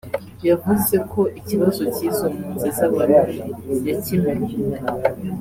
yavuze ko ikibazo cy’izo mpunzi z’Abarundi yakimenye